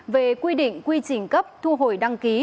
về quy định quy trình cấp thu hồi đăng ký